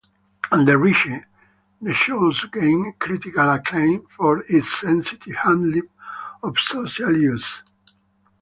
Under Riche, the show gained critical acclaim for its sensitive handling of social issues.